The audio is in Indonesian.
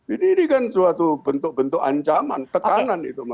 ini kan suatu bentuk bentuk ancaman tekanan itu